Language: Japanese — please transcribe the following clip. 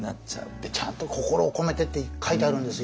でちゃんと「心を込めて」って書いてあるんですよ